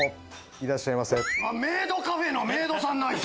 いらっしゃいませ。